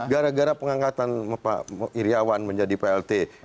gara gara pengangkatan pak iryawan menjadi plt